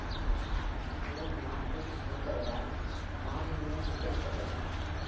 John Malkovich என்பவரால் Murnau சித்தரிக்கப்பட்டார்.